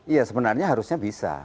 ya sebenarnya harusnya bisa